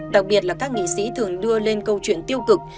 đặc biệt là các nghị sĩ thường đưa lên câu chuyện tiêu cực